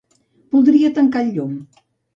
Voldria tancar el llum.